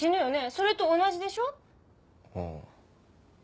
それと同じでしょ？ああ。